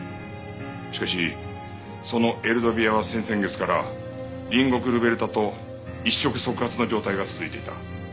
しかしそのエルドビアは先々月から隣国ルベルタと一触即発の状態が続いていた。